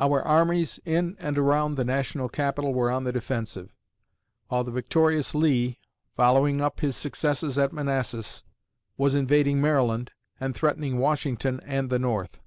Our armies in and around the national capital were on the defensive; while the victorious Lee, following up his successes at Manassas, was invading Maryland and threatening Washington and the North.